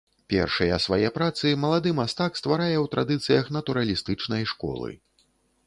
Першыя свае працы малады мастак стварае ў традыцыях натуралістычнай школы.